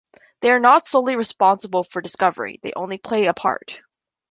They are not solely "responsible" for discovery, they only play a part.